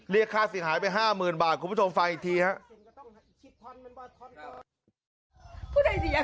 เรียกค่าเสียหายไป๕๐๐๐บาทคุณผู้ชมฟังอีกทีครับ